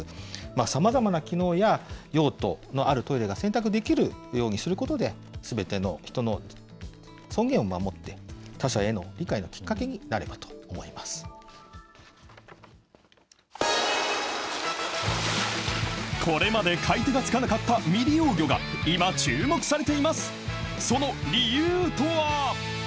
さまざまな機能や用途のあるトイレが選択できるようにすることで、すべての人の尊厳を守って、他者への理解のきっかけになればと思これまで買い手がつかなかった未利用魚が今、注目されています。